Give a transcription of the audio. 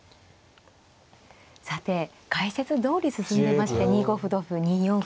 さて解説どおり進んでいまして２五歩同歩２四歩と。